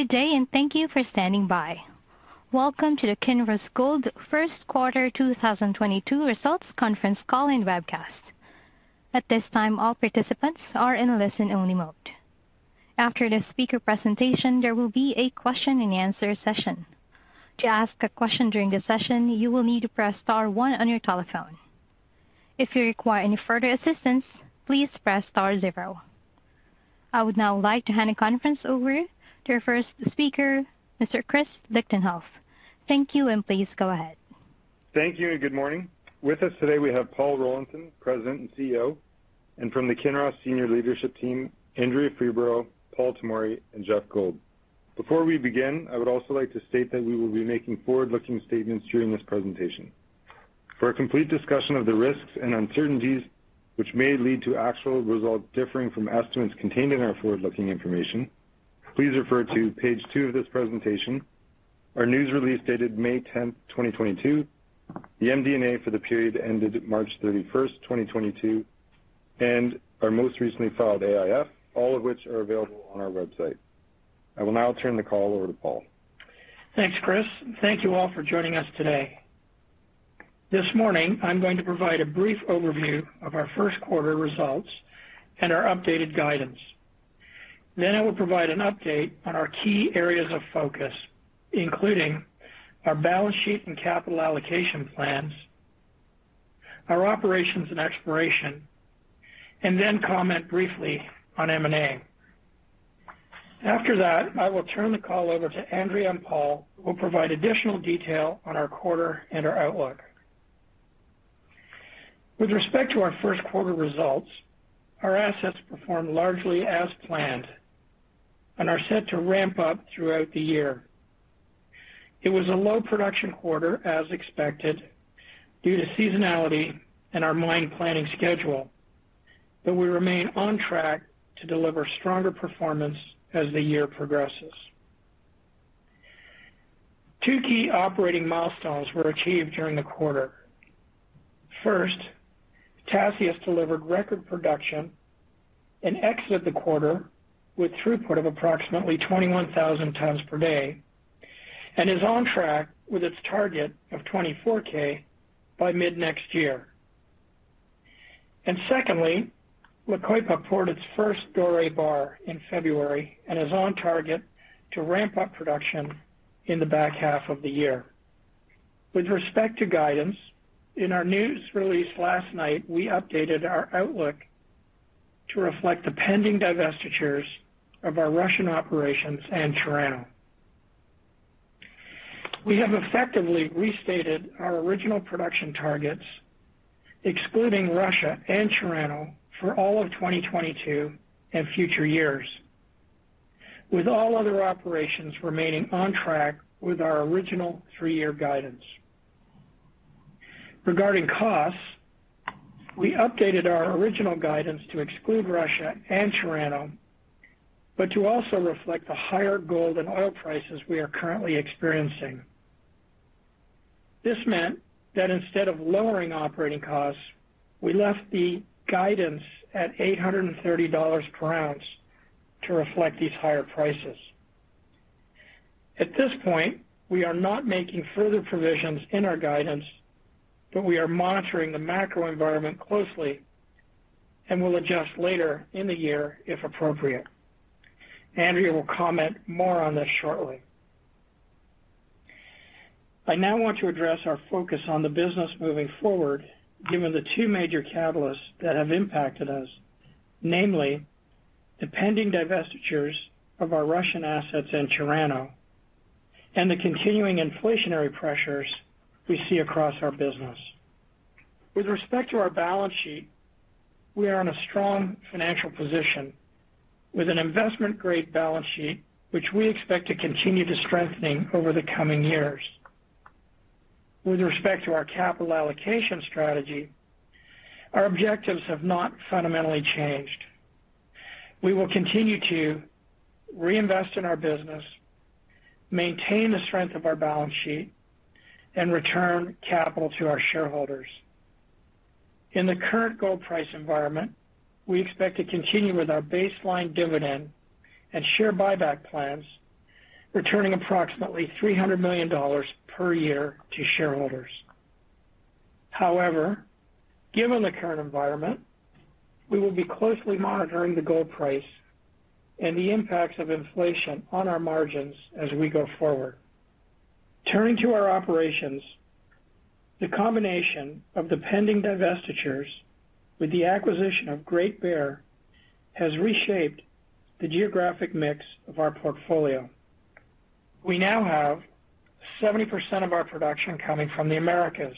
Good day, and thank you for standing by. Welcome to the Kinross Gold first quarter 2022 results conference call and webcast. At this time, all participants are in a listen-only mode. After the speaker presentation, there will be a question-and-answer session. To ask a question during the session, you will need to press star one on your telephone. If you require any further assistance, please press star zero. I would now like to hand the conference over to our first speaker, Mr. Chris Lichtenheldt. Thank you, and please go ahead. Thank you and good morning. With us today, we have Paul Rollinson, President and CEO. From the Kinross senior leadership team, Andrea Freeborough, Paul Tomory, and Geoff Gold. Before we begin, I would also like to state that we will be making forward-looking statements during this presentation. For a complete discussion of the risks and uncertainties, which may lead to actual results differing from estimates contained in our forward-looking information, please refer to page two of this presentation, our news release dated May 10, 2022, the MD&A for the period ended March 31st, 2022, and our most recently filed AIF, all of which are available on our website. I will now turn the call over to Paul. Thanks, Chris. Thank you all for joining us today. This morning, I'm going to provide a brief overview of our first quarter results and our updated guidance. Then I will provide an update on our key areas of focus, including our balance sheet and capital allocation plans, our operations and exploration, and then comment briefly on M&A. After that, I will turn the call over to Andrea and Paul, who will provide additional detail on our quarter and our outlook. With respect to our first quarter results, our assets performed largely as planned and are set to ramp up throughout the year. It was a low production quarter, as expected, due to seasonality and our mine planning schedule, but we remain on track to deliver stronger performance as the year progresses. Two key operating milestones were achieved during the quarter. First, Tasiast delivered record production and exited the quarter with throughput of approximately 21,000 tons per day and is on track with its target of 24,000 by mid-next year. Secondly, La Coipa poured its first doré bar in February and is on target to ramp up production in the back half of the year. With respect to guidance, in our news release last night, we updated our outlook to reflect the pending divestitures of our Russian operations and Chirano. We have effectively restated our original production targets, excluding Russia and Chirano, for all of 2022 and future years, with all other operations remaining on track with our original three-year guidance. Regarding costs, we updated our original guidance to exclude Russia and Chirano, but to also reflect the higher gold and oil prices we are currently experiencing. This meant that instead of lowering operating costs, we left the guidance at $830 per oz to reflect these higher prices. At this point, we are not making further provisions in our guidance, but we are monitoring the macro environment closely and will adjust later in the year if appropriate. Andrea will comment more on this shortly. I now want to address our focus on the business moving forward, given the two major catalysts that have impacted us, namely, the pending divestitures of our Russian assets in Chirano and the continuing inflationary pressures we see across our business. With respect to our balance sheet, we are in a strong financial position with an investment-grade balance sheet, which we expect to continue to strengthening over the coming years. With respect to our capital allocation strategy, our objectives have not fundamentally changed. We will continue to reinvest in our business, maintain the strength of our balance sheet, and return capital to our shareholders. In the current gold price environment, we expect to continue with our baseline dividend and share buyback plans, returning approximately $300 million per year to shareholders. However, given the current environment, we will be closely monitoring the gold price and the impacts of inflation on our margins as we go forward. Turning to our operations, the combination of the pending divestitures with the acquisition of Great Bear has reshaped the geographic mix of our portfolio. We now have 70% of our production coming from the Americas.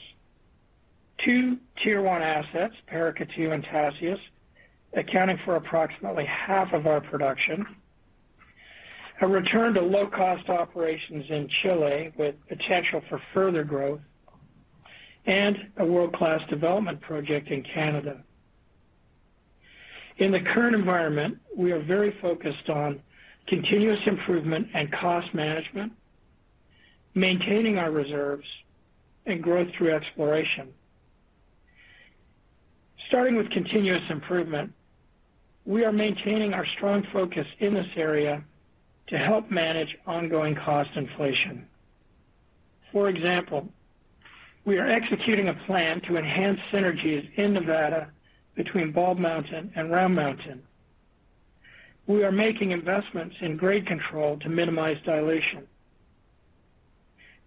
Two tier one assets, Paracatu and Tasiast, accounting for approximately half of our production, a return to low cost operations in Chile with potential for further growth, and a world-class development project in Canada. In the current environment, we are very focused on continuous improvement and cost management, maintaining our reserves and growth through exploration. Starting with continuous improvement, we are maintaining our strong focus in this area to help manage ongoing cost inflation. For example, we are executing a plan to enhance synergies in Nevada between Bald Mountain and Round Mountain. We are making investments in grade control to minimize dilation.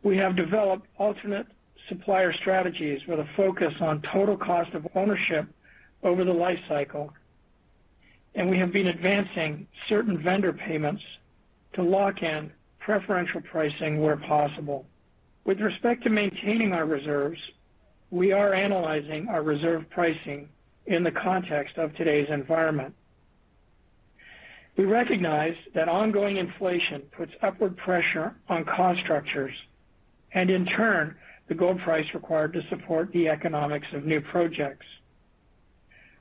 We have developed alternate supplier strategies with a focus on total cost of ownership over the life cycle, and we have been advancing certain vendor payments to lock in preferential pricing where possible. With respect to maintaining our reserves, we are analyzing our reserve pricing in the context of today's environment. We recognize that ongoing inflation puts upward pressure on cost structures and, in turn, the gold price required to support the economics of new projects.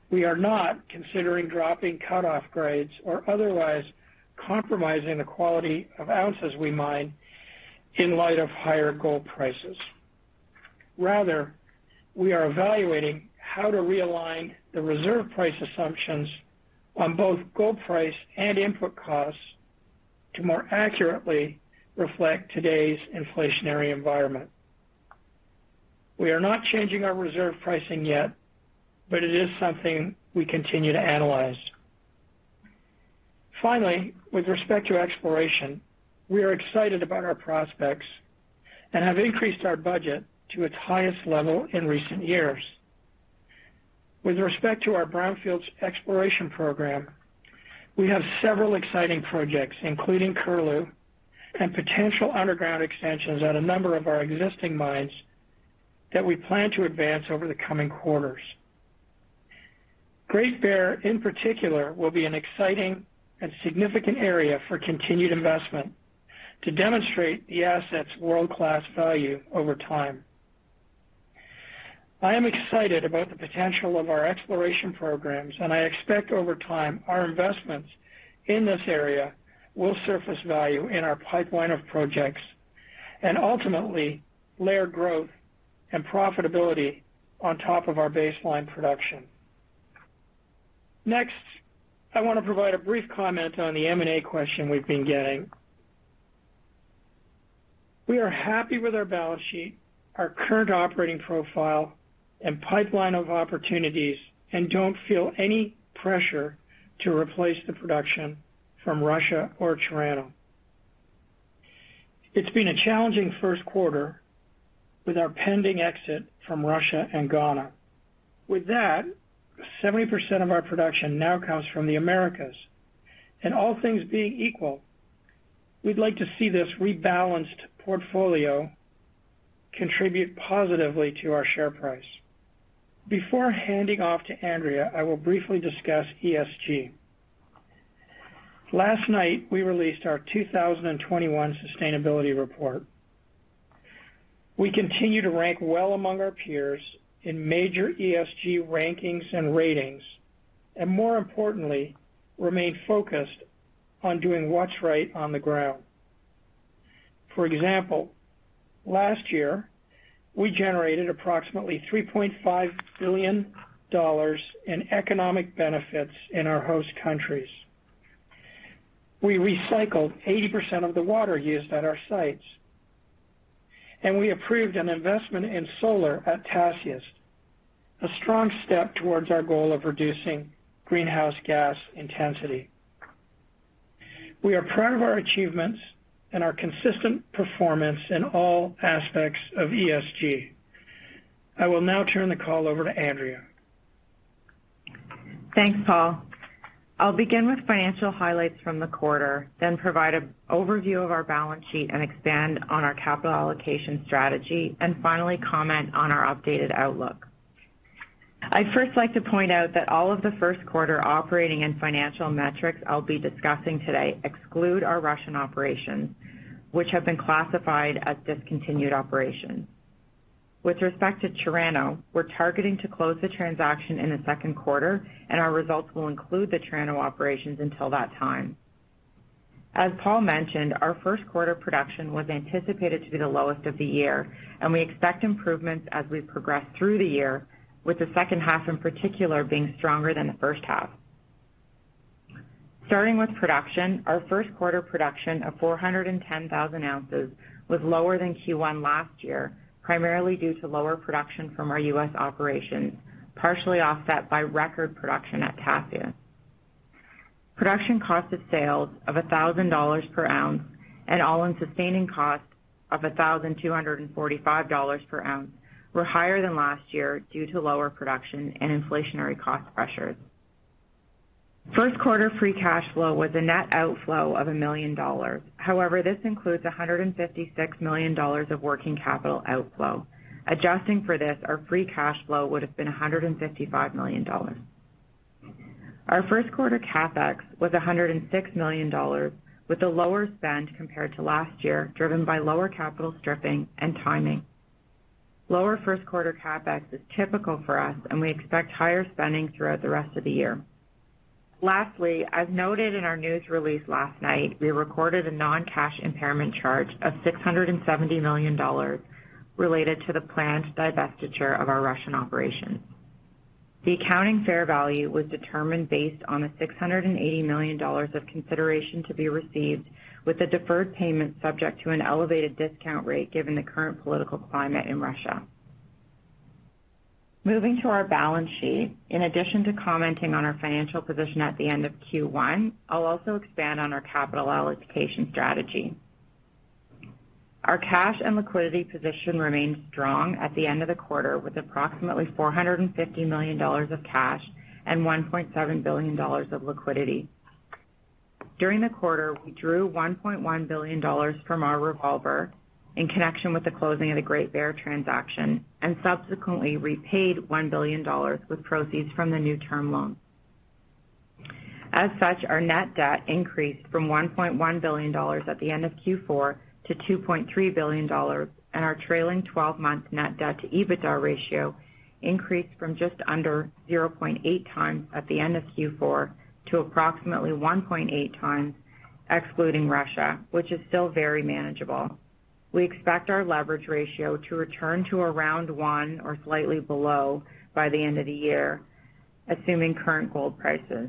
We are not considering dropping cut-off grades or otherwise compromising the quality of ounces we mine in light of higher gold prices. Rather, we are evaluating how to realign the reserve price assumptions on both gold price and input costs to more accurately reflect today's inflationary environment. We are not changing our reserve pricing yet, but it is something we continue to analyze. Finally, with respect to exploration, we are excited about our prospects and have increased our budget to its highest level in recent years. With respect to our Brownfields exploration program, we have several exciting projects, including Curlew and potential underground extensions at a number of our existing mines that we plan to advance over the coming quarters. Great Bear, in particular, will be an exciting and significant area for continued investment to demonstrate the asset's world-class value over time. I am excited about the potential of our exploration programs, and I expect over time, our investments in this area will surface value in our pipeline of projects and ultimately layer growth and profitability on top of our baseline production. Next, I want to provide a brief comment on the M&A question we've been getting. We are happy with our balance sheet, our current operating profile and pipeline of opportunities, and don't feel any pressure to replace the production from Russia or Chirano. It's been a challenging first quarter with our pending exit from Russia and Ghana. With that, 70% of our production now comes from the Americas. All things being equal, we'd like to see this rebalanced portfolio contribute positively to our share price. Before handing off to Andrea, I will briefly discuss ESG. Last night, we released our 2021 sustainability report. We continue to rank well among our peers in major ESG rankings and ratings, and more importantly, remain focused on doing what's right on the ground. For example, last year, we generated approximately $3.5 billion in economic benefits in our host countries. We recycled 80% of the water used at our sites, and we approved an investment in solar at Tasiast, a strong step towards our goal of reducing greenhouse gas intensity. We are proud of our achievements and our consistent performance in all aspects of ESG. I will now turn the call over to Andrea. Thanks, Paul. I'll begin with financial highlights from the quarter, then provide an overview of our balance sheet and expand on our capital allocation strategy, and finally, comment on our updated outlook. I'd first like to point out that all of the first quarter operating and financial metrics I'll be discussing today exclude our Russian operations, which have been classified as discontinued operations. With respect to Chirano, we're targeting to close the transaction in the second quarter, and our results will include the Chirano operations until that time. As Paul mentioned, our first quarter production was anticipated to be the lowest of the year, and we expect improvements as we progress through the year, with the second half in particular being stronger than the first half. Starting with production, our first quarter production of 410,000 oz was lower than Q1 last year, primarily due to lower production from our U.S. operations, partially offset by record production at Tasiast. Production cost of sales of $1,000 per oz and all-in sustaining costs of $1,245 per oz were higher than last year due to lower production and inflationary cost pressures. First quarter free cash flow was a net outflow of $1 million. However, this includes $156 million of working capital outflow. Adjusting for this, our free cash flow would have been $155 million. Our first quarter capex was $106 million, with a lower spend compared to last year, driven by lower capital stripping and timing. Lower first quarter CapEx is typical for us, and we expect higher spending throughout the rest of the year. Lastly, as noted in our news release last night, we recorded a non-cash impairment charge of $670 million related to the planned divestiture of our Russian operations. The accounting fair value was determined based on the $680 million of consideration to be received, with the deferred payment subject to an elevated discount rate given the current political climate in Russia. Moving to our balance sheet, in addition to commenting on our financial position at the end of Q1, I'll also expand on our capital allocation strategy. Our cash and liquidity position remains strong at the end of the quarter, with approximately $450 million of cash and $1.7 billion of liquidity. During the quarter, we drew $1.1 billion from our revolver in connection with the closing of the Great Bear transaction and subsequently repaid $1 billion with proceeds from the new term loan. As such, our net debt increased from $1.1 billion at the end of Q4 to $2.3 billion, and our trailing 12-month net debt to EBITDA ratio increased from just under 0.8x at the end of Q4 to approximately 1.8x, excluding Russia, which is still very manageable. We expect our leverage ratio to return to around 1 or slightly below by the end of the year, assuming current gold prices.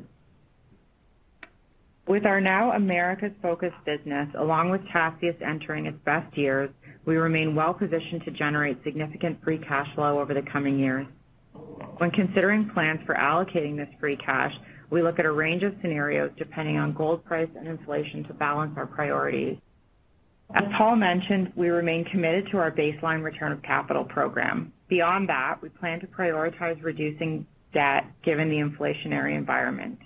With our now Americas-focused business, along with Tasiast entering its best years, we remain well-positioned to generate significant free cash flow over the coming years. When considering plans for allocating this free cash, we look at a range of scenarios depending on gold price and inflation to balance our priorities. As Paul mentioned, we remain committed to our baseline return of capital program. Beyond that, we plan to prioritize reducing debt given the inflationary environment.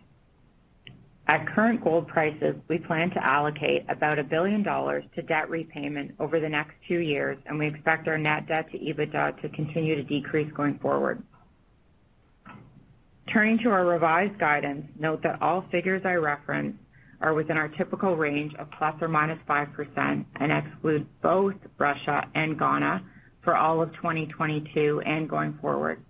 At current gold prices, we plan to allocate about $1 billion to debt repayment over the next two years, and we expect our net debt to EBITDA to continue to decrease going forward. Turning to our revised guidance, note that all figures I reference are within our typical range of ±5% and exclude both Russia and Ghana for all of 2022 and going forward.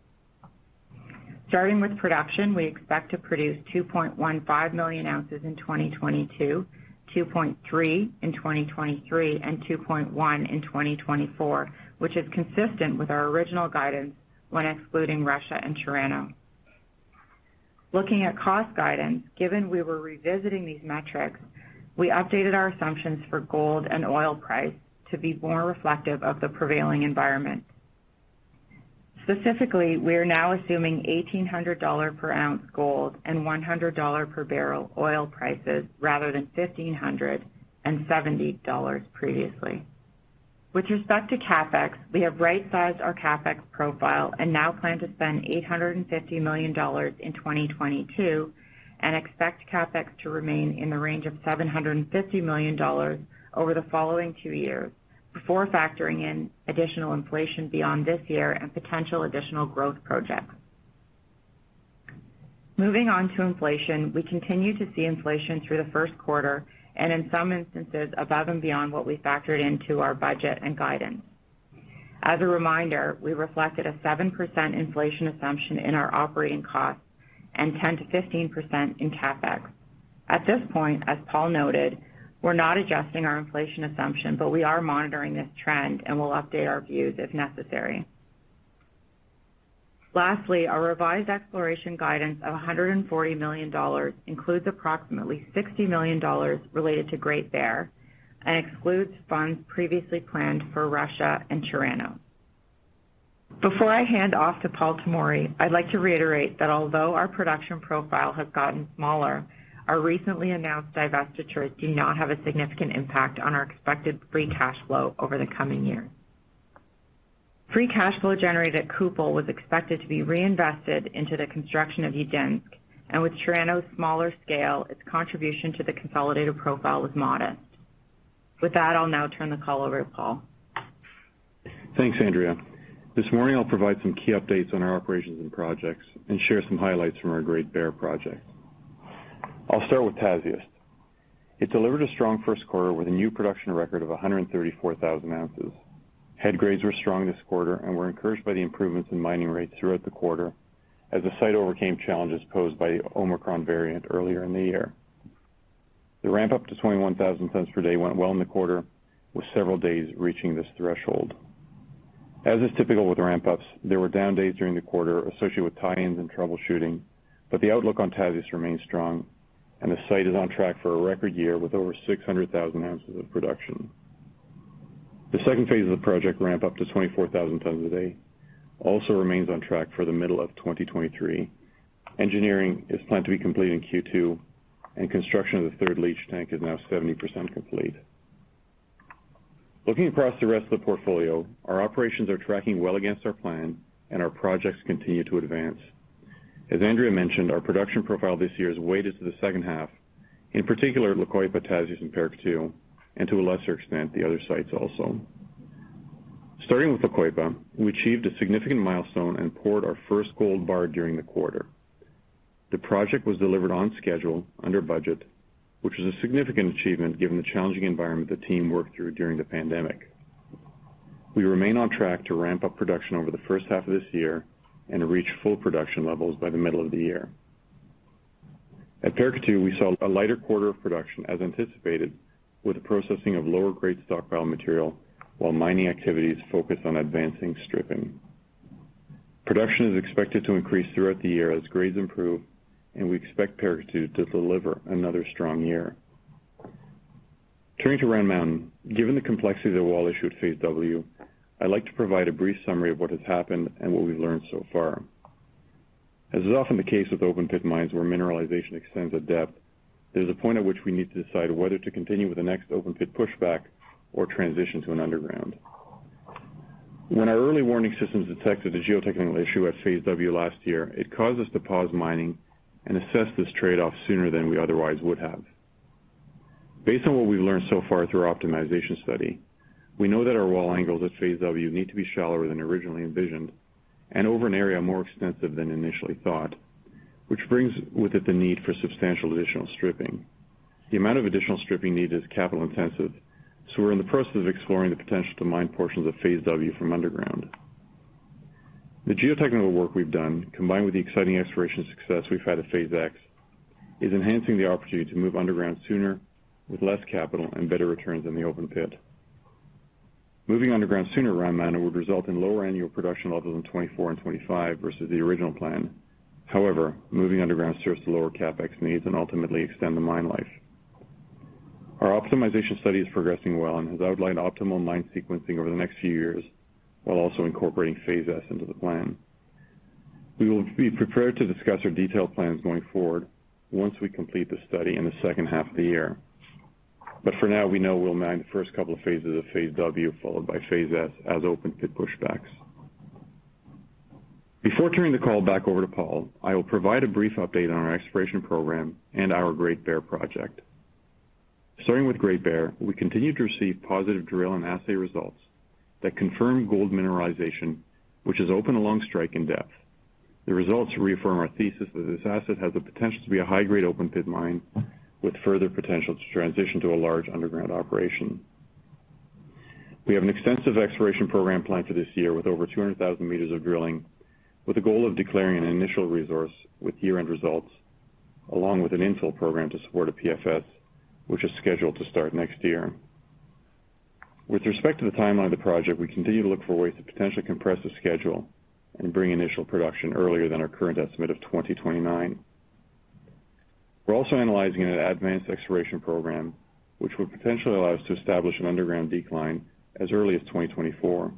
Starting with production, we expect to produce 2.15 million oz in 2022, 2.3 million oz in 2023, and 2.1 million oz in 2024, which is consistent with our original guidance when excluding Russia and Chirano. Looking at cost guidance, given we were revisiting these metrics, we updated our assumptions for gold and oil price to be more reflective of the prevailing environment. Specifically, we are now assuming $1,800 per oz gold and $100 per bbl oil prices rather than $1,570 previously. With respect to CapEx, we have right-sized our CapEx profile and now plan to spend $850 million in 2022 and expect CapEx to remain in the range of $750 million over the following two years before factoring in additional inflation beyond this year and potential additional growth projects. Moving on to inflation, we continue to see inflation through the first quarter and in some instances above and beyond what we factored into our budget and guidance. As a reminder, we reflected a 7% inflation assumption in our operating costs and 10%-15% in CapEx. At this point, as Paul noted, we're not adjusting our inflation assumption, but we are monitoring this trend, and we'll update our views if necessary. Lastly, our revised exploration guidance of $140 million includes approximately $60 million related to Great Bear and excludes funds previously planned for Russia and Chirano. Before I hand off to Paul Tomory, I'd like to reiterate that although our production profile has gotten smaller, our recently announced divestitures do not have a significant impact on our expected free cash flow over the coming year. Free cash flow generated at Kupol was expected to be reinvested into the construction of Udinsk, and with Chirano's smaller scale, its contribution to the consolidated profile was modest. With that, I'll now turn the call over to Paul. Thanks, Andrea. This morning, I'll provide some key updates on our operations and projects and share some highlights from our Great Bear project. I'll start with Tasiast. It delivered a strong first quarter with a new production record of 134,000 oz. Head grades were strong this quarter and were encouraged by the improvements in mining rates throughout the quarter as the site overcame challenges posed by the Omicron variant earlier in the year. The ramp-up to 21,000 tons per day went well in the quarter, with several days reaching this threshold. As is typical with ramp-ups, there were down days during the quarter associated with tie-ins and troubleshooting, but the outlook on Tasiast remains strong, and the site is on track for a record year with over 600,000 oz of production. The second phase of the project ramp up to 24,000 tons a day also remains on track for the middle of 2023. Engineering is planned to be complete in Q2, and construction of the third leach tank is now 70% complete. Looking across the rest of the portfolio, our operations are tracking well against our plan and our projects continue to advance. As Andrea mentioned, our production profile this year is weighted to the second half, in particular, La Coipa, Tasiast, and Paracatu, and to a lesser extent, the other sites also. Starting with La Coipa, we achieved a significant milestone and poured our first gold bar during the quarter. The project was delivered on schedule, under budget, which is a significant achievement given the challenging environment the team worked through during the pandemic. We remain on track to ramp up production over the first half of this year and reach full production levels by the middle of the year. At Paracatu, we saw a lighter quarter of production as anticipated, with the processing of lower grade stockpile material while mining activities focused on advancing stripping. Production is expected to increase throughout the year as grades improve, and we expect Paracatu to deliver another strong year. Turning to Round Mountain, given the complexity of the wall issue at phase W, I'd like to provide a brief summary of what has happened and what we've learned so far. As is often the case with open pit mines where mineralization extends at depth, there's a point at which we need to decide whether to continue with the next open pit pushback or transition to an underground. When our early warning systems detected the geotechnical issue at phase W last year, it caused us to pause mining and assess this trade-off sooner than we otherwise would have. Based on what we've learned so far through our optimization study, we know that our wall angles at phase W need to be shallower than originally envisioned and over an area more extensive than initially thought, which brings with it the need for substantial additional stripping. The amount of additional stripping needed is capital intensive, so we're in the process of exploring the potential to mine portions of phase W from underground. The geotechnical work we've done, combined with the exciting exploration success we've had at phase X, is enhancing the opportunity to move underground sooner with less capital and better returns than the open pit. Moving underground sooner at Round Mountain would result in lower annual production levels in 2024 and 2025 versus the original plan. However, moving underground serves to lower CapEx needs and ultimately extend the mine life. Our optimization study is progressing well and has outlined optimal mine sequencing over the next few years while also incorporating phase S into the plan. We will be prepared to discuss our detailed plans going forward once we complete the study in the second half of the year. For now, we know we'll mine the first couple of phases of phase W, followed by phase S as open pit pushbacks. Before turning the call back over to Paul, I will provide a brief update on our exploration program and our Great Bear project. Starting with Great Bear, we continue to receive positive drill and assay results that confirm gold mineralization, which is open along strike and depth. The results reaffirm our thesis that this asset has the potential to be a high-grade open-pit mine with further potential to transition to a large underground operation. We have an extensive exploration program planned for this year with over 200,000 m of drilling, with the goal of declaring an initial resource with year-end results along with an infill program to support a PFS, which is scheduled to start next year. With respect to the timeline of the project, we continue to look for ways to potentially compress the schedule and bring initial production earlier than our current estimate of 2029. We're also analyzing an advanced exploration program, which would potentially allow us to establish an underground decline as early as 2024.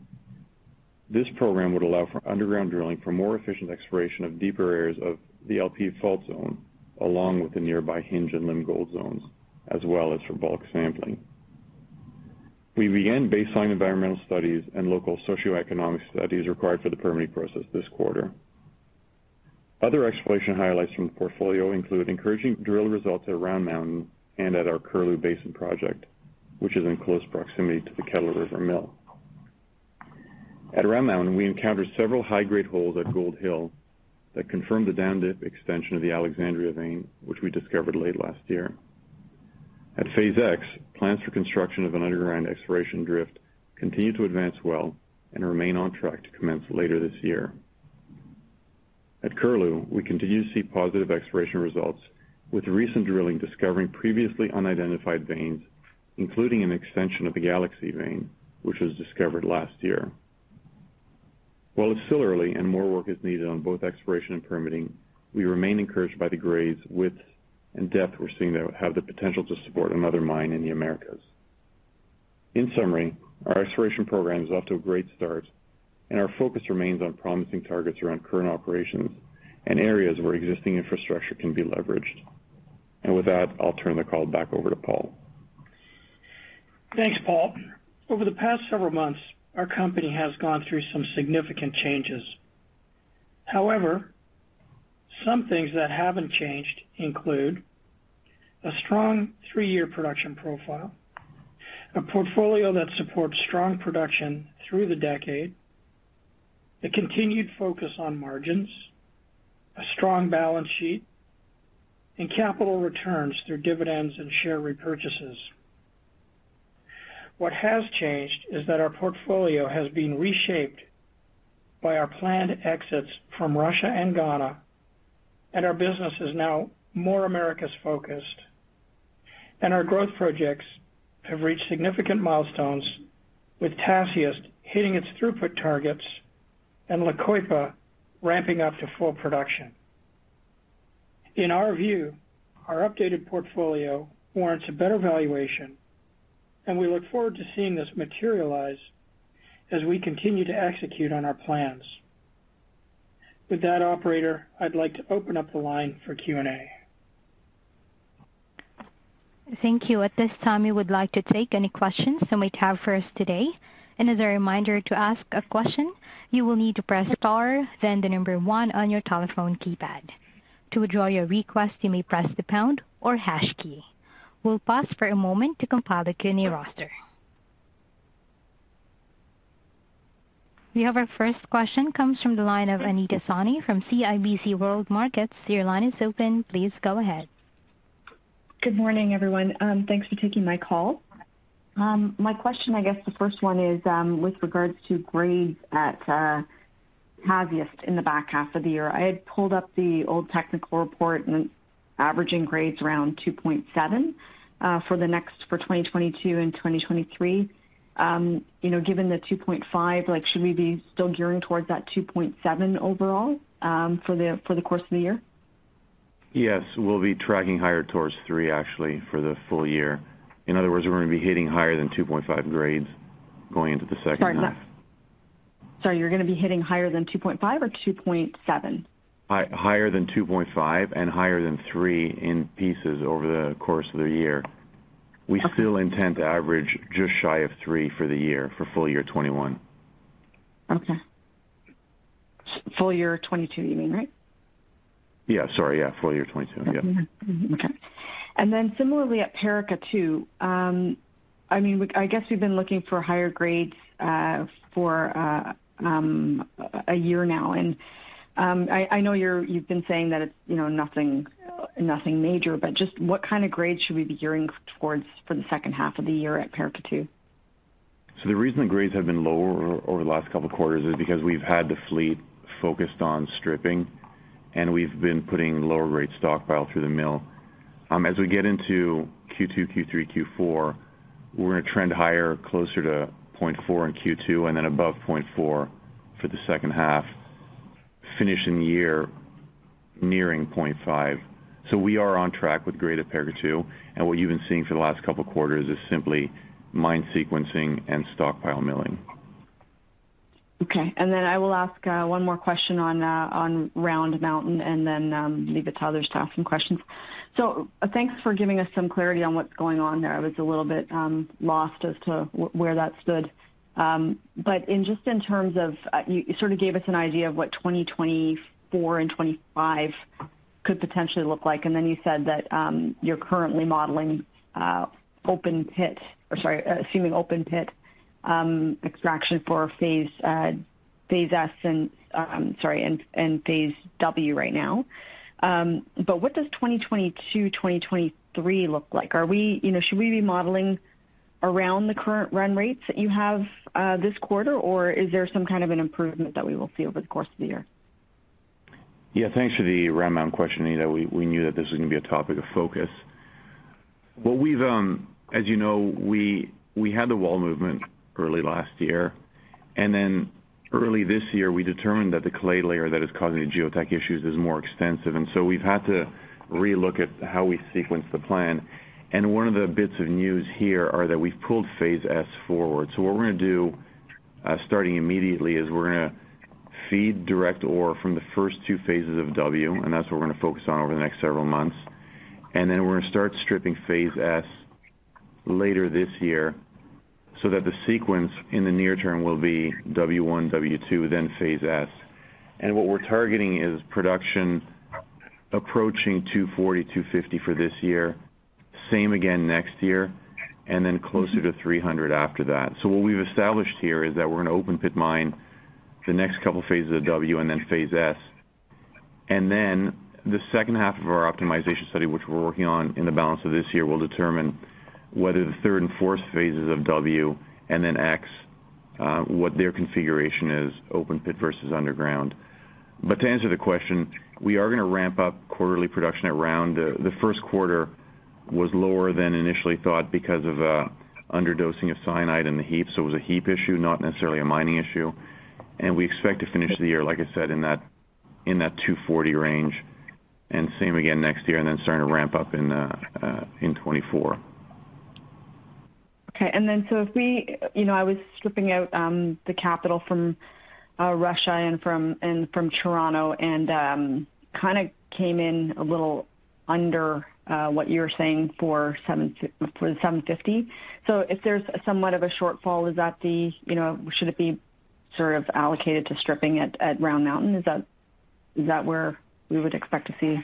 This program would allow for underground drilling for more efficient exploration of deeper areas of the LP Fault zone along with the nearby Hinge and Limb gold zones, as well as for bulk sampling. We began baseline environmental studies and local socioeconomic studies required for the permitting process this quarter. Other exploration highlights from the portfolio include encouraging drill results at Round Mountain and at our Curlew Basin project, which is in close proximity to the Kettle River mill. At Round Mountain, we encountered several high-grade holes at Gold Hill that confirmed the down-dip extension of the Alexandria Vein, which we discovered late last year. At phase X, plans for construction of an underground exploration drift continue to advance well and remain on track to commence later this year. At Curlew, we continue to see positive exploration results with recent drilling discovering previously unidentified veins, including an extension of the Galaxie Vein, which was discovered last year. While it's still early and more work is needed on both exploration and permitting, we remain encouraged by the grades, width, and depth we're seeing that have the potential to support another mine in the Americas. In summary, our exploration program is off to a great start and our focus remains on promising targets around current operations and areas where existing infrastructure can be leveraged. With that, I'll turn the call back over to Paul. Thanks, Paul. Over the past several months, our company has gone through some significant changes. However, some things that haven't changed include a strong three-year production profile, a portfolio that supports strong production through the decade, a continued focus on margins, a strong balance sheet, and capital returns through dividends and share repurchases. What has changed is that our portfolio has been reshaped by our planned exits from Russia and Ghana, and our business is now more Americas focused. Our growth projects have reached significant milestones, with Tasiast hitting its throughput targets and La Coipa ramping up to full production. In our view, our updated portfolio warrants a better valuation, and we look forward to seeing this materialize as we continue to execute on our plans. With that, operator, I'd like to open up the line for Q&A. Thank you. At this time, we would like to take any questions you might have for us today. As a reminder, to ask a question, you will need to press star then the number one on your telephone keypad. To withdraw your request, you may press the pound or hash key. We'll pause for a moment to compile the Q&A roster. We have our first question comes from the line of Anita Soni from CIBC World Markets. Your line is open. Please go ahead. Good morning, everyone. Thanks for taking my call. My question, I guess the first one is, with regards to grades at Tasiast in the back half of the year. I had pulled up the old technical report and averaging grades around 2.7 for 2022 and 2023. You know, given the 2.5, like, should we be still gearing towards that 2.7 overall, for the course of the year? Yes, we'll be tracking higher towards 3, actually, for the full year. In other words, we're gonna be hitting higher than 2.5 grades going into the second half. Sorry, you're gonna be hitting higher than 2.5 or 2.7? Higher than 2.5 and higher than 3 in pieces over the course of the year. Okay. We still intend to average just shy of 3 for the year, for full year 2021. Okay. Full year 2022, you mean, right? Yeah. Sorry. Yeah, full year 2022. Yeah. Okay. Similarly at Paracatu, I mean, I guess we've been looking for higher grades for a year now. I know you've been saying that it's, you know, nothing major, but just what kind of grades should we be gearing towards for the second half of the year at Paracatu? The reason the grades have been lower over the last couple of quarters is because we've had the fleet focused on stripping, and we've been putting lower grade stockpile through the mill. As we get into Q2, Q3, Q4, we're gonna trend higher closer to 0.4 in Q2 and then above 0.4 for the second half, finishing the year nearing 0.5. We are on track with grade at Paracatu, and what you've been seeing for the last couple of quarters is simply mine sequencing and stockpile milling. Okay. Then I will ask one more question on Round Mountain and then leave it to others to ask some questions. Thanks for giving us some clarity on what's going on there. I was a little bit lost as to where that stood. In just in terms of, you sort of gave us an idea of what 2024 and 2025 could potentially look like, and then you said that you're currently modeling assuming open pit extraction for phase S and phase W right now. What does 2022, 2023 look like? Are we, you know, should we be modeling around the current run rates that you have, this quarter, or is there some kind of an improvement that we will see over the course of the year? Yeah. Thanks for the Round Mountain question, Anita. We knew that this was gonna be a topic of focus. What we've, as you know, we had the wall movement early last year, and then early this year, we determined that the clay layer that is causing the geotech issues is more extensive, and so we've had to relook at how we sequence the plan. One of the bits of news here are that we've pulled phase S forward. What we're gonna do, starting immediately, is we're gonna feed direct ore from the first two phases of W, and that's what we're gonna focus on over the next several months. We're gonna start stripping phase S later this year so that the sequence in the near term will be W1, W2, then phase S. What we're targeting is production approaching 240, 250 for this year, same again next year, and then closer to 300 after that. What we've established here is that we're gonna open-pit mine the next couple phases of phase W and then phase S. Then the second half of our optimization study, which we're working on in the balance of this year, will determine whether the 3rd and 4th phases of W and then phase X, what their configuration is, open-pit versus underground. To answer the question, we are gonna ramp up quarterly production at Round Mountain. The first quarter was lower than initially thought because of underdosing of cyanide in the heap. It was a heap issue, not necessarily a mining issue. We expect to finish the year, like I said, in that 240 range, and same again next year, and then starting to ramp up in 2024. If we, you know, I was stripping out the capex from Russia and from Chirano and kinda came in a little under what you're saying for the $750. If there's somewhat of a shortfall, is that, you know, should it be sort of allocated to stripping at Round Mountain? Is that where we would expect to see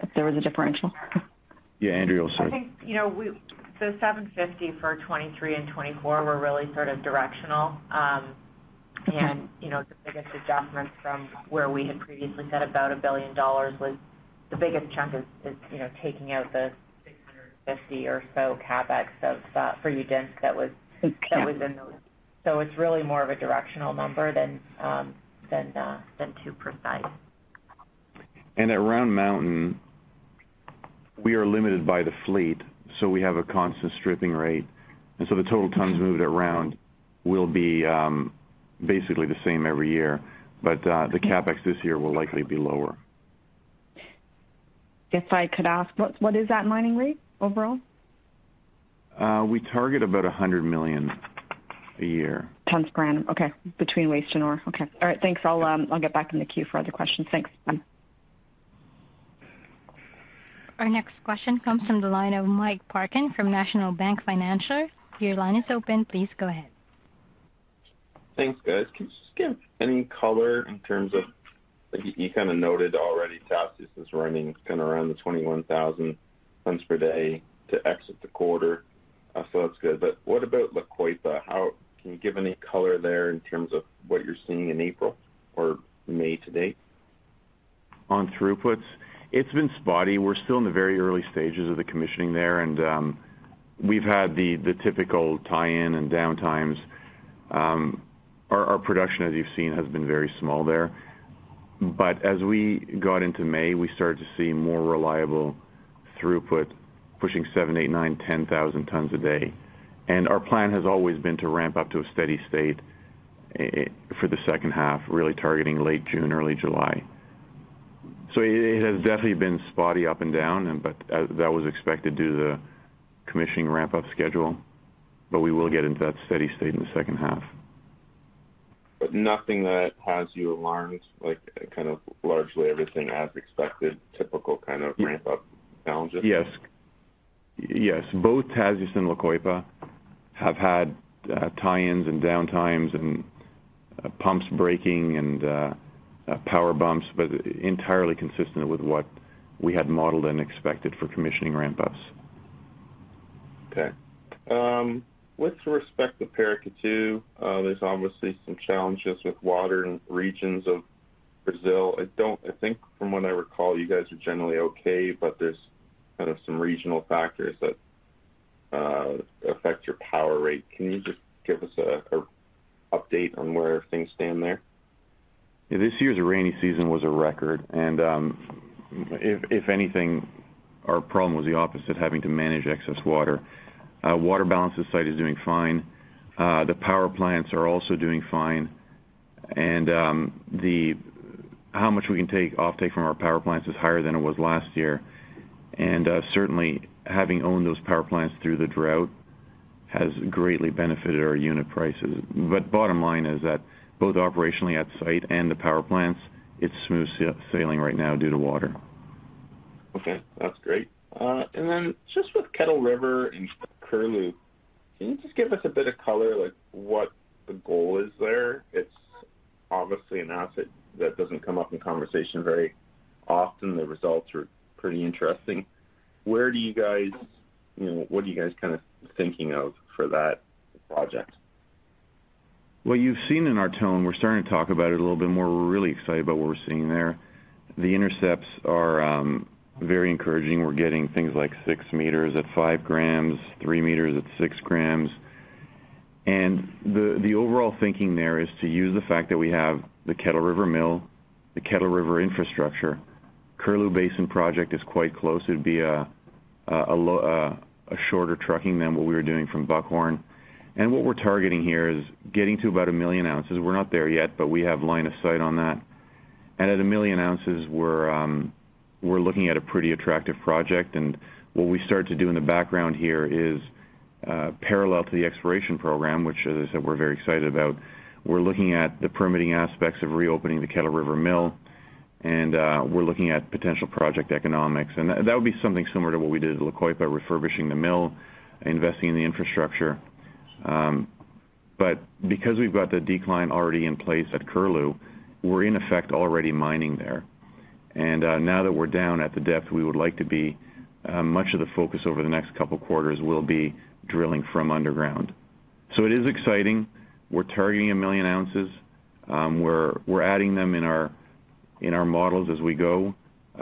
if there was a differential? Yeah. Andrea will say. I think, you know, the $750 million for 2023 and 2024 were really sort of directional. You know, the biggest adjustment from where we had previously said about $1 billion was the biggest chunk is taking out the $650 million or so CapEx for Tasiast that was in those. It's really more of a directional number than too precise. At Round Mountain, we are limited by the fleet, so we have a constant stripping rate. The total tons moved at Round will be, basically, the same every year. The CapEx this year will likely be lower. If I could ask, what is that mining rate overall? We target about $100 million a year. Tons per annum. Okay. Between waste and ore. Okay. All right. Thanks. I'll get back in the queue for other questions. Thanks. Bye. Our next question comes from the line of Mike Parkin from National Bank Financial. Your line is open. Please go ahead. Thanks, guys. Can you just give any color in terms of, like you kinda noted already Tasiast is running kinda around the 21,000 tons per day to exit the quarter. That's good. What about La Coipa? Can you give any color there in terms of what you're seeing in April or May to date? On throughputs? It's been spotty. We're still in the very early stages of the commissioning there, and we've had the typical tie-in and downtimes. Our production, as you've seen, has been very small there. As we got into May, we started to see more reliable throughput, pushing 7,000, 8,000, 9,000, 10,000 tons a day. Our plan has always been to ramp up to a steady state for the second half, really targeting late June, early July. It has definitely been spotty up and down. That was expected due to the commissioning ramp-up schedule, but we will get into that steady state in the second half. Nothing that has you alarmed, like, kind of largely everything as expected, typical kind of ramp-up challenges? Yes. Yes. Both Tasiast and La Coipa have had tie-ins and downtimes and pumps breaking and power bumps, but entirely consistent with what we had modeled and expected for commissioning ramp-ups. With respect to Paracatu, there's obviously some challenges with water in regions of Brazil. I think from what I recall, you guys are generally okay, but there's kind of some regional factors that affect your power rate. Can you just give us an update on where things stand there? This year's rainy season was a record, and if anything, our problem was the opposite, having to manage excess water. Water balance at site is doing fine. The power plants are also doing fine. Offtake from our power plants is higher than it was last year. Certainly having owned those power plants through the drought has greatly benefited our unit prices. Bottom line is that both operationally at site and the power plants, it's smooth sailing right now due to water. Okay, that's great. Just with Kettle River and Curlew, can you just give us a bit of color, like, what the goal is there? It's obviously an asset that doesn't come up in conversation very often. The results are pretty interesting. Where do you guys, you know, what are you guys kinda thinking of for that project? Well, you've seen in our tone, we're starting to talk about it a little bit more. We're really excited about what we're seeing there. The intercepts are very encouraging. We're getting things like 6 m at 5 g, 3 m at 6 g. The overall thinking there is to use the fact that we have the Kettle River mill, the Kettle River infrastructure. Curlew Basin project is quite close. It'd be a shorter trucking than what we were doing from Buckhorn. What we're targeting here is getting to about 1 million oz. We're not there yet, but we have line of sight on that. At 1 million oz, we're looking at a pretty attractive project. What we start to do in the background here is parallel to the exploration program, which, as I said, we're very excited about. We're looking at the permitting aspects of reopening the Kettle River mill, and we're looking at potential project economics. That would be something similar to what we did at La Coipa, refurbishing the mill, investing in the infrastructure. But because we've got the decline already in place at Curlew, we're in effect already mining there. Now that we're down at the depth we would like to be, much of the focus over the next couple quarters will be drilling from underground. It is exciting. We're targeting 1 million oz. We're adding them in our models as we go.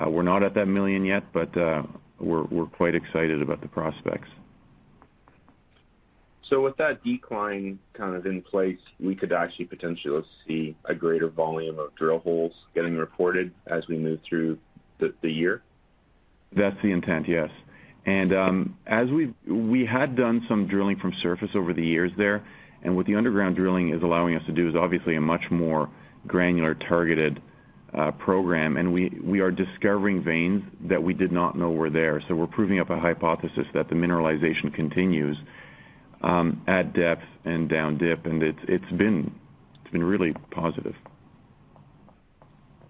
We're not at that million yet, but we're quite excited about the prospects. With that decline kind of in place, we could actually potentially see a greater volume of drill holes getting reported as we move through the year? That's the intent, yes. As we had done some drilling from surface over the years there, what the underground drilling is allowing us to do is obviously a much more granular, targeted program. We are discovering veins that we did not know were there. We're proving up a hypothesis that the mineralization continues at depth and down dip. It's been really positive.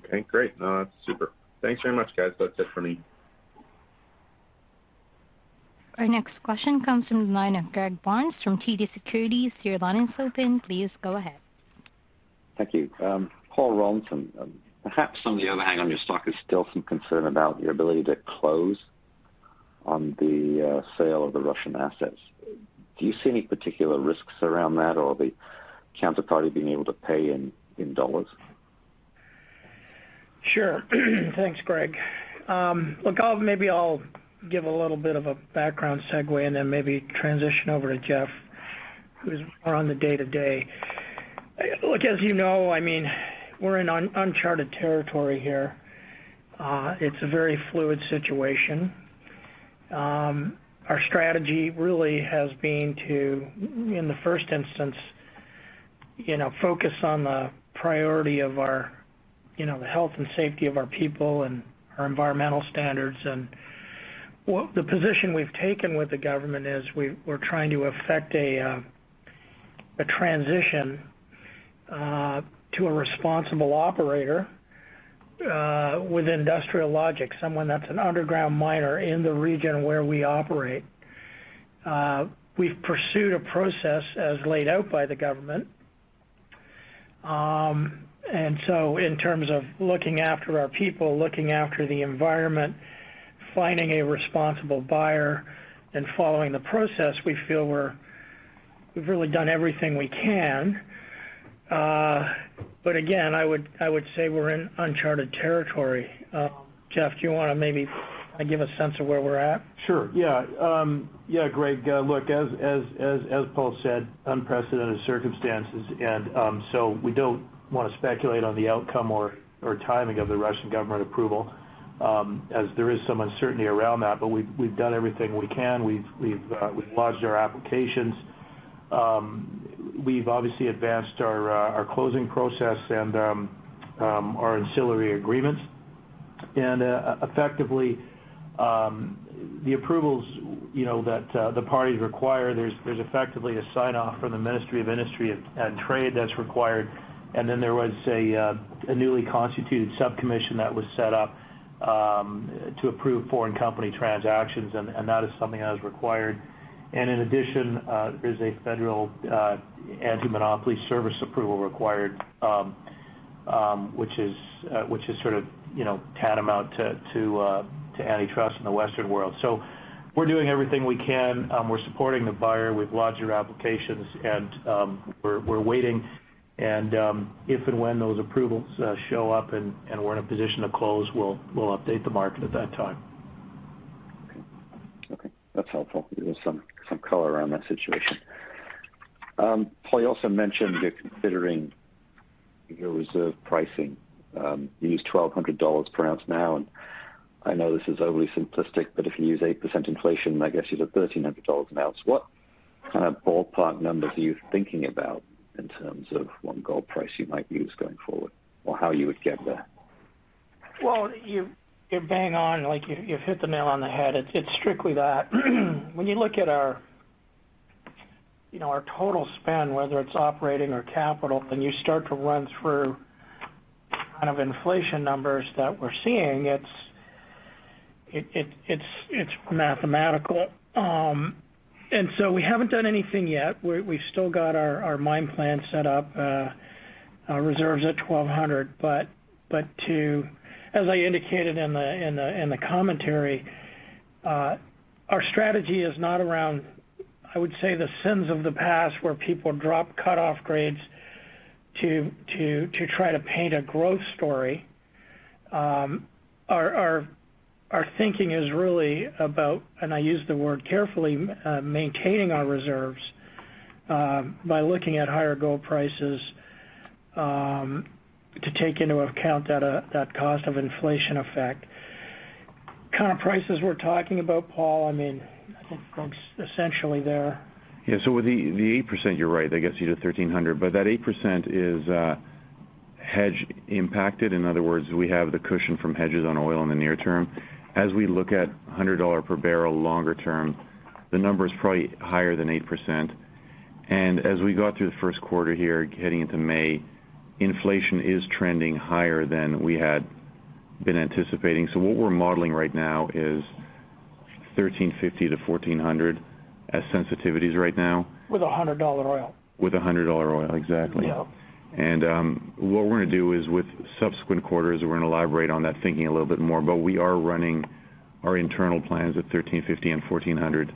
Okay, great. No, that's super. Thanks very much, guys. That's it for me. Our next question comes from the line of Greg Barnes from TD Securities. Your line is open. Please go ahead. Thank you. Paul Rollinson, perhaps some of the overhang on your stock is still some concern about your ability to close on the sale of the Russian assets. Do you see any particular risks around that or the counterparty being able to pay in dollars? Sure. Thanks, Greg. Look, maybe I'll give a little bit of a background segue and then maybe transition over to Geoff, who's more on the day-to-day. Look, as you know, I mean, we're in uncharted territory here. It's a very fluid situation. Our strategy really has been to, in the first instance, you know, focus on the priority of our, you know, the health and safety of our people and our environmental standards. The position we've taken with the government is we're trying to affect a transition to a responsible operator with industrial logic, someone that's an underground miner in the region where we operate. We've pursued a process as laid out by the government. In terms of looking after our people, looking after the environment, finding a responsible buyer and following the process, we feel we've really done everything we can. Again, I would say we're in uncharted territory. Geoff, do you wanna maybe, like, give a sense of where we're at? Sure, yeah. Yeah, Greg, look, as Paul said, unprecedented circumstances. We don't wanna speculate on the outcome or timing of the Russian government approval, as there is some uncertainty around that. We've lodged our applications. We've obviously advanced our closing process, and our ancillary agreements. Effectively, the approvals, you know, that the parties require, there's effectively a sign-off from the Ministry of Industry and Trade that's required. Then there was a newly constituted sub-commission that was set up to approve foreign company transactions, and that is something that is required. In addition, there's a Federal Antimonopoly Service approval required, which is sort of, you know, tantamount to antitrust in the Western world. So we're doing everything we can. We're supporting the buyer. We've lodged our applications, and we're waiting. If and when those approvals show up and we're in a position to close, we'll update the market at that time. Okay. Okay, that's helpful. Give us some color around that situation. Paul, you also mentioned you're considering your reserve pricing. You use $1,200 per oz now, and I know this is overly simplistic, but if you use 8% inflation, I guess you have $1,300 an oz. What kind of ballpark numbers are you thinking about in terms of what gold price you might use going forward? Or how you would get there? Well, you're bang on. Like, you've hit the nail on the head. It's strictly that. When you look at our, you know, our total spend, whether it's operating or capital, and you start to run through kind of inflation numbers that we're seeing, it's mathematical. We haven't done anything yet. We still got our mine plan set up, our reserves at 1,200. As I indicated in the commentary, our strategy is not around, I would say, the sins of the past, where people drop cutoff grades to try to paint a growth story. Our thinking is really about, and I use the word carefully, maintaining our reserves by looking at higher gold prices to take into account that cost of inflation effect. Kind of prices we're talking about, Paul, I mean, I think that's essentially there. Yeah. With the eight percent, you're right, that gets you to $1,300. That eight percent is hedge impacted. In other words, we have the cushion from hedges on oil in the near term. As we look at $100 per brl longer term, the number is probably higher than 8%. As we go through the first quarter here, getting into May, inflation is trending higher than we had been anticipating. What we're modeling right now is $1,350-$1,400 as sensitivities right now. With $100 oil. With a $100 oil, exactly. Yeah. What we're gonna do is with subsequent quarters, we're gonna elaborate on that thinking a little bit more, but we are running our internal plans at $1,350 and $1,400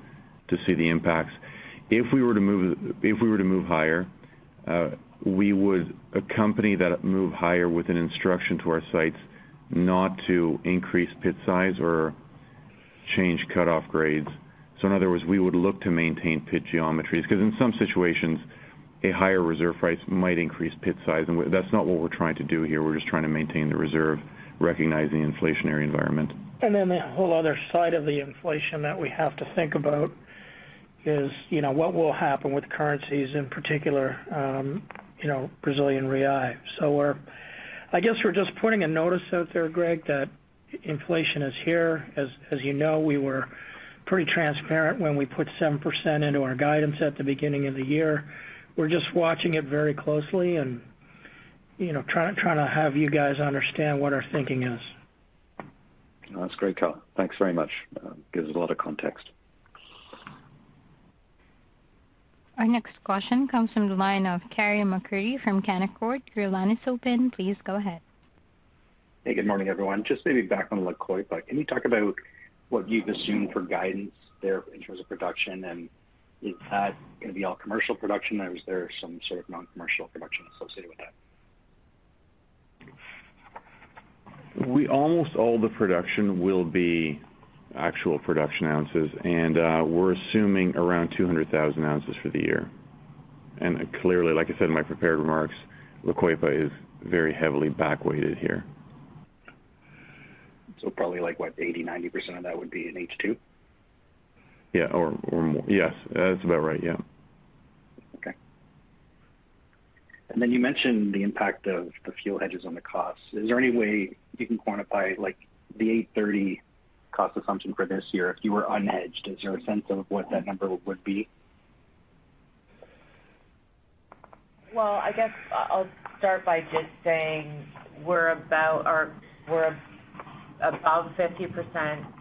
to see the impacts. If we were to move higher, we would accompany that move higher with an instruction to our sites not to increase pit size or change cutoff grades. In other words, we would look to maintain pit geometries. 'Cause in some situations, a higher reserve price might increase pit size, and that's not what we're trying to do here. We're just trying to maintain the reserve, recognizing the inflationary environment. The whole other side of the inflation that we have to think about is, you know, what will happen with currencies, in particular, Brazilian real. I guess we're just putting a notice out there, Greg, that inflation is here. As you know, we were pretty transparent when we put 7% into our guidance at the beginning of the year. We're just watching it very closely and, you know, trying to have you guys understand what our thinking is. That's great, Paul. Thanks very much. Gives a lot of context. Our next question comes from the line of Carey MacRury from Canaccord. Your line is open. Please go ahead. Hey, good morning, everyone. Just maybe back on La Coipa. Can you talk about what you've assumed for guidance there in terms of production, and is that gonna be all commercial production, or is there some sort of non-commercial production associated with that? Almost all the production will be actual production ounces, and we're assuming around 200,000 oz for the year. Clearly, like I said in my prepared remarks, La Coipa is very heavily back weighted here. Probably like, what, 80%-90% of that would be in H2? Yeah, or more. Yes, that's about right, yeah. Okay. Then you mentioned the impact of the fuel hedges on the costs. Is there any way you can quantify, like, the $830 cost assumption for this year if you were unhedged? Is there a sense of what that number would be? Well, I guess I'll start by just saying we're about 50%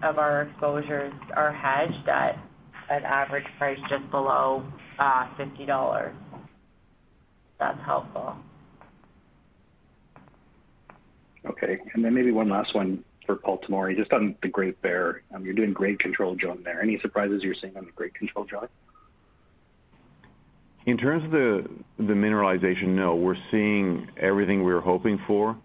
of our exposures are hedged at an average price just below $50. That's helpful. Okay. Maybe one last one for Paul Tomory, just on the Great Bear. You're doing grade control drilling there. Any surprises you're seeing on the grade control drilling? In terms of the mineralization, no. We're seeing everything we were hoping for.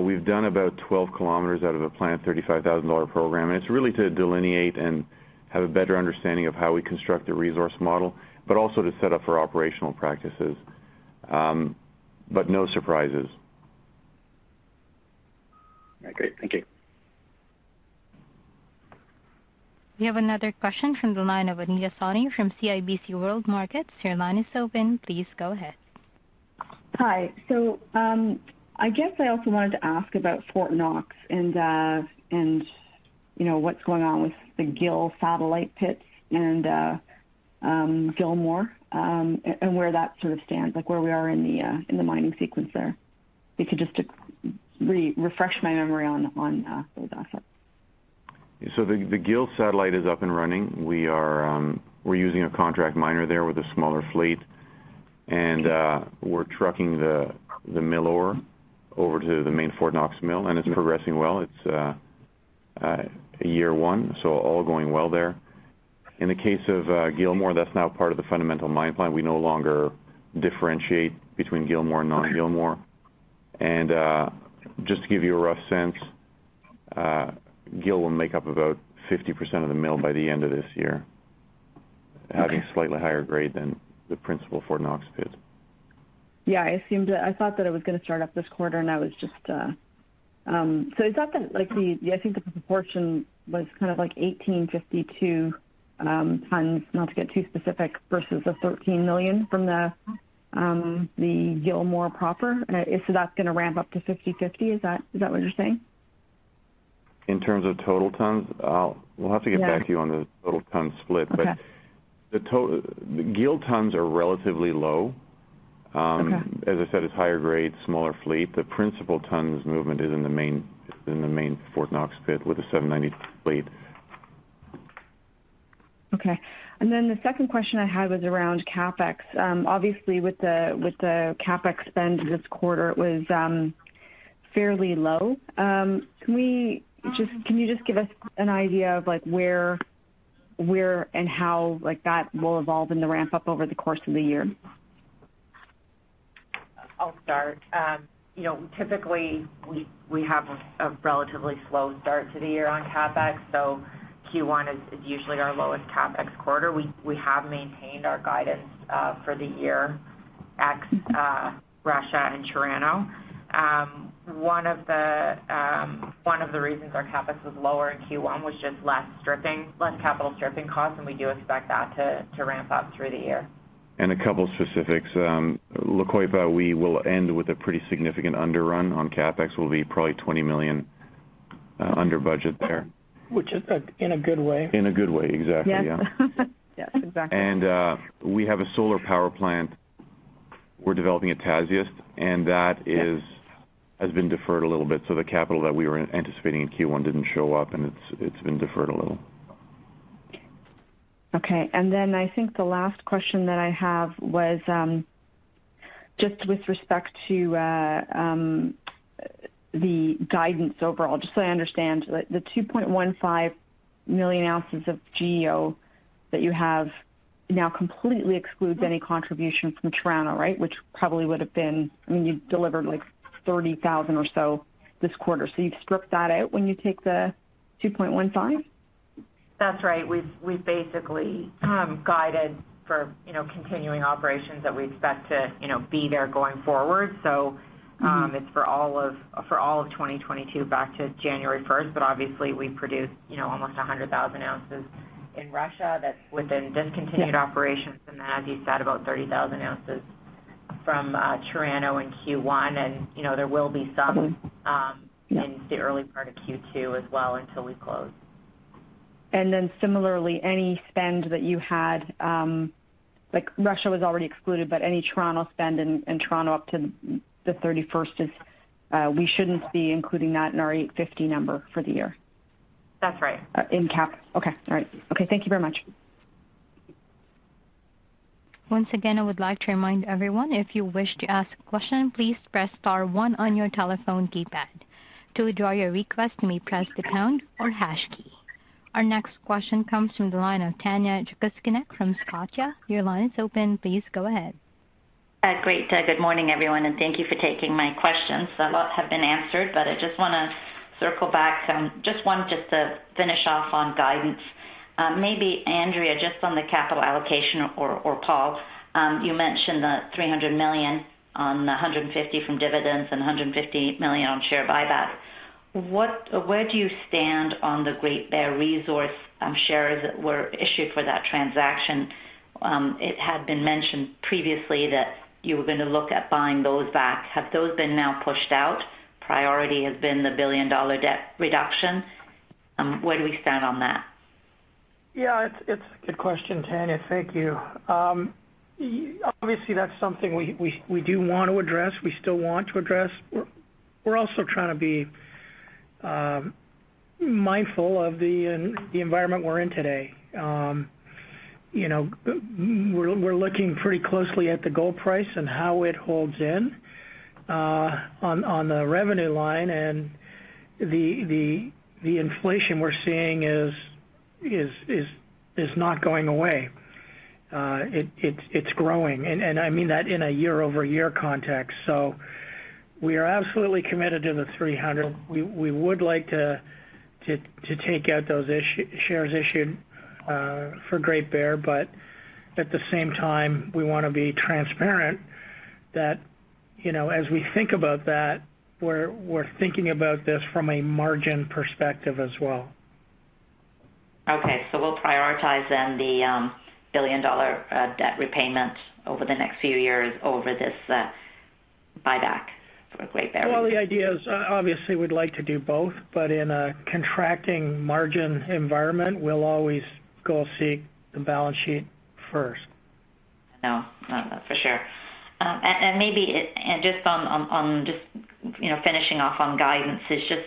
We've done about 12 km out of a planned $35,000 program, and it's really to delineate and have a better understanding of how we construct the resource model, but also to set up for operational practices. No surprises. All right, great. Thank you. We have another question from the line of Anita Soni from CIBC World Markets. Your line is open. Please go ahead. Hi. I guess I also wanted to ask about Fort Knox and you know what's going on with the Gil satellite pits and Gilmore and where that sort of stands like where we are in the mining sequence there. If you could just refresh my memory on those assets. The Gill satellite is up and running. We're using a contract miner there with a smaller fleet. We're trucking the mill ore over to the main Fort Knox mill, and it's progressing well. It's year one, so all going well there. In the case of Gilmore, that's now part of the fundamental mine plan. We no longer differentiate between Gilmore and non-Gilmore. Just to give you a rough sense, Gill will make up about 50% of the mill by the end of this year, having slightly higher grade than the principal Fort Knox pit. Yeah, I assumed that. I thought that it was gonna start up this quarter, and I was just. Is that the, like the, I think the proportion was kind of like 18-52 tons, not to get too specific, versus the 13 million from the Gilmore proper. That's gonna ramp up to 50/50, is that what you're saying? In terms of total tons? We'll have to get back to you on the total ton split. Okay. The total tons are relatively low. As I said, it's higher grade, smaller fleet. The principal tons movement is in the main Fort Knox pit with a 790 fleet. Okay. The second question I had was around CapEx. Obviously, with the CapEx spend this quarter, it was fairly low. Can you just give us an idea of like where and how, like, that will evolve in the ramp up over the course of the year? I'll start. You know, typically we have a relatively slow start to the year on CapEx, so Q1 is usually our lowest CapEx quarter. We have maintained our guidance for the year ex Russia and Chirano. One of the reasons our CapEx was lower in Q1 was just less stripping, less capital stripping costs, and we do expect that to ramp up through the year. A couple specifics. La Coipa, we will end with a pretty significant underrun on capex. We'll be probably $20 million under budget there. Which is a, in a good way. In a good way, exactly, yeah. Yes. Yes, exactly. We have a solar power plant we're developing at Tasiast, and that has been deferred a little bit. The capital that we were anticipating in Q1 didn't show up, and it's been deferred a little. Okay. I think the last question that I have was just with respect to the guidance overall, just so I understand. The 2.15 million oz of GEO that you have now completely excludes any contribution from Chirano, right? Which probably would have been, I mean, you delivered like 30,000 or so this quarter. You've stripped that out when you take the 2.15? That's right. We've basically guided for, you know, continuing operations that we expect to, you know, be there going forward. It's for all of 2022 back to January 1, but obviously we produced, you know, almost 100,000 oz in Russia that's within discontinued operations. As you said, about 30,000 oz from Chirano in Q1. You know, there will be some in the early part of Q2 as well until we close. Similarly, any spend that you had, like Russia was already excluded, but any Chirano spend in Chirano up to the thirty-first is, we shouldn't be including that in our 850 number for the year? That's right. In CapEx. Okay. All right. Okay, thank you very much. Once again, I would like to remind everyone, if you wish to ask a question, please press star one on your telephone keypad. To withdraw your request, you may press the pound or hash key. Our next question comes from the line of Tanya Jakusconek from Scotia. Your line is open. Please go ahead. Great. Good morning, everyone, and thank you for taking my questions. A lot have been answered. I just wanna circle back, just want to finish off on guidance. Maybe Andrea, just on the capital allocation or Paul, you mentioned the $300 million on the $150 million from dividends and $150 million on share buyback. What, where do you stand on the Great Bear Resources shares that were issued for that transaction? It had been mentioned previously that you were gonna look at buying those back. Have those been now pushed out? Priority has been the $1 billion debt reduction. Where do we stand on that? It's a good question, Tanya. Thank you. Obviously, that's something we do want to address. We still want to address. We're also trying to be mindful of the environment we're in today. You know, we're looking pretty closely at the gold price and how it holds up on the revenue line. The inflation we're seeing is not going away. It's growing, and I mean that in a year-over-year context. We are absolutely committed to the 300. We would like to take out those shares issued for Great Bear. But at the same time, we wanna be transparent that, you know, as we think about that, we're thinking about this from a margin perspective as well. Okay. We'll prioritize then the $1 billion debt repayment over the next few years over this buyback for Great Bear. Well, the idea is, obviously, we'd like to do both, but in a contracting margin environment, we'll always go seek the balance sheet first. No, no, for sure. And maybe just on finishing off on guidance, it's just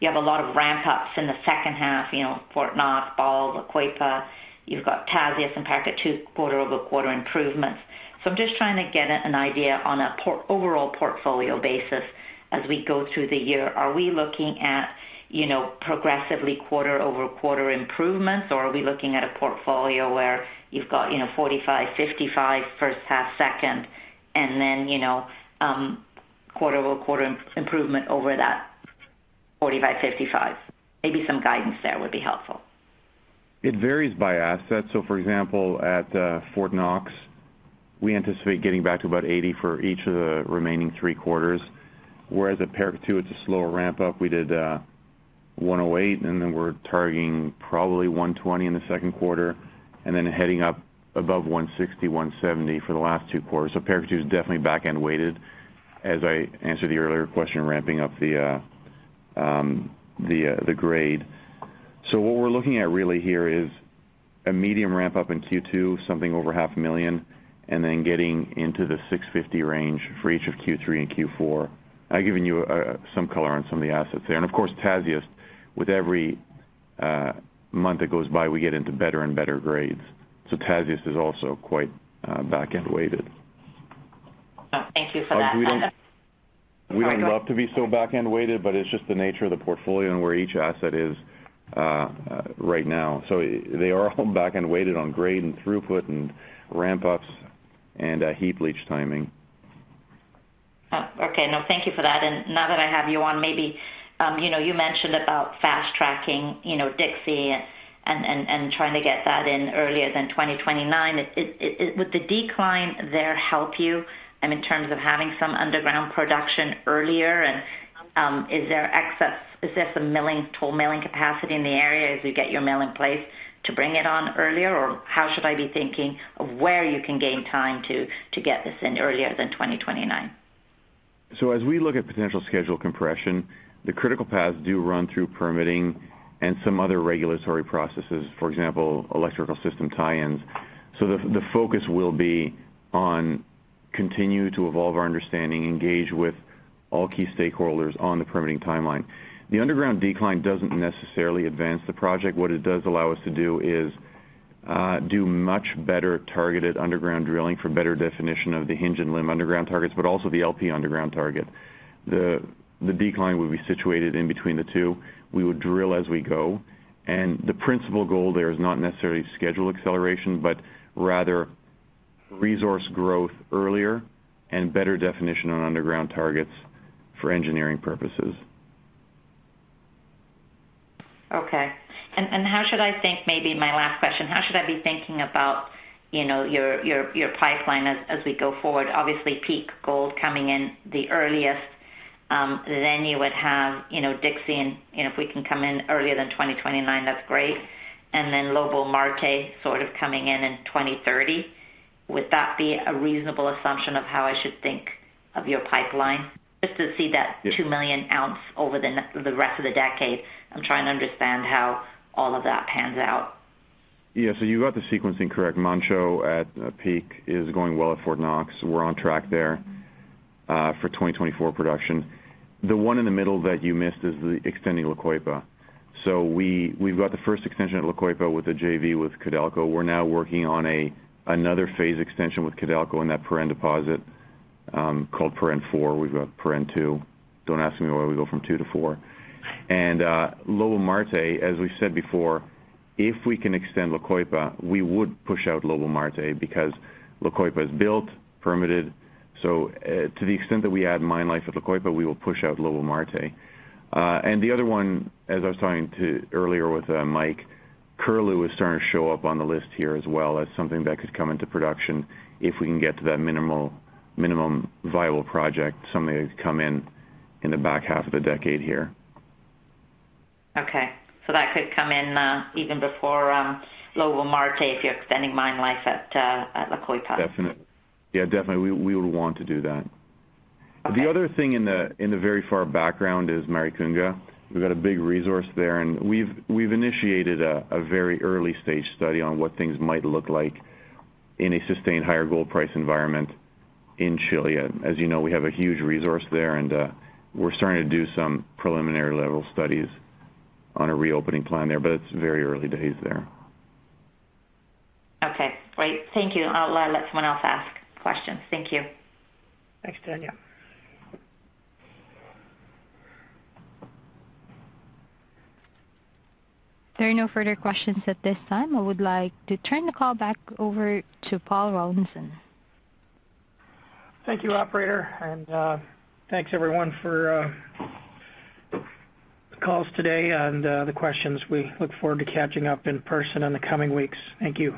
you have a lot of ramp-ups in the second half, you know, Fort Knox, Bald Mountain, La Coipa. You've got Tasiast and Paracatu quarter-over-quarter improvements. I'm just trying to get an idea on an overall portfolio basis as we go through the year. Are we looking at, you know, progressively quarter-over-quarter improvements, or are we looking at a portfolio where you've got, you know, 45-55 first half, second, and then, you know, quarter-over-quarter improvement over that 45-55? Maybe some guidance there would be helpful. It varies by asset. For example, at Fort Knox, we anticipate getting back to about 80 for each of the remaining three quarters, whereas at Paracatu it's a slower ramp up. We did 108, and then we're targeting probably 120 in the second quarter, and then heading up above 160, 170 for the last two quarters. Paracatu is definitely back-end weighted as I answered the earlier question, ramping up the grade. What we're looking at really here is a medium ramp up in Q2, something over half a million, and then getting into the 650 range for each of Q3 and Q4. I've given you some color on some of the assets there. Of course, Tasiast, with every month that goes by, we get into better and better grades. Tasiast is also quite back-end weighted. Oh, thank you for that. We don't. Argo? We don't love to be so back-end weighted, but it's just the nature of the portfolio and where each asset is, right now. They are all back-end weighted on grade and throughput and ramp-ups and heap leach timing. Oh, okay. No, thank you for that. Now that I have you on maybe, you know, you mentioned about fast-tracking, you know, Dixie and trying to get that in earlier than 2029. Would the decline there help you in terms of having some underground production earlier? And is there some toll milling capacity in the area as you get your mill in place to bring it on earlier? Or how should I be thinking of where you can gain time to get this in earlier than 2029? As we look at potential schedule compression, the critical paths do run through permitting and some other regulatory processes, for example, electrical system tie-ins. The focus will be on continue to evolve our understanding, engage with all key stakeholders on the permitting timeline. The underground decline doesn't necessarily advance the project. What it does allow us to do is do much better targeted underground drilling for better definition of the Hinge and Limb underground targets, but also the LP underground target. The decline will be situated in between the two. We would drill as we go, and the principal goal there is not necessarily schedule acceleration, but rather resource growth earlier and better definition on underground targets for engineering purposes. How should I think, maybe my last question, how should I be thinking about, you know, your pipeline as we go forward? Obviously, Manh Choh coming in the earliest, then you would have, you know, Dixie and, you know, if we can come in earlier than 2029, that's great. Lobo-Marte sort of coming in in 2030. Would that be a reasonable assumption of how I should think of your pipeline? Just to see that 2 million oz over the rest of the decade. I'm trying to understand how all of that pans out. Yeah. You got the sequencing correct. Manh Choh at Peak is going well at Fort Knox. We're on track there for 2024 production. The one in the middle that you missed is the extending La Coipa. We've got the first extension at La Coipa with the JV with Codelco. We're now working on another phase extension with Codelco in that Puren deposit, called Puren 4. We've got Puren 2. Don't ask me why we go from 2-4. Lobo Marte, as we said before, if we can extend La Coipa, we would push out Lobo Marte because La Coipa is built, permitted. To the extent that we add mine life at La Coipa, we will push out Lobo Marte. The other one, as I was talking to earlier with Mike, Curlew is starting to show up on the list here as well as something that could come into production if we can get to that minimum viable project, something that could come in in the back half of the decade. Okay. That could come in even before Lobo-Marte if you're extending mine life at La Coipa. Definitely. Yeah, definitely, we would want to do that. Okay. The other thing in the very far background is Maricunga. We've got a big resource there, and we've initiated a very early stage study on what things might look like in a sustained higher gold price environment in Chile. As you know, we have a huge resource there, and we're starting to do some preliminary level studies on a reopening plan there, but it's very early days there. Okay. Great. Thank you. I'll let someone else ask questions. Thank you. Thanks, Tanya. There are no further questions at this time. I would like to turn the call back over to Paul Rollinson. Thank you, operator. Thanks everyone for the calls today and the questions. We look forward to catching up in person in the coming weeks. Thank you.